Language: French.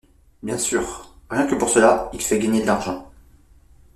Bien sûr ! Rien que pour cela, il fait gagner de l’argent.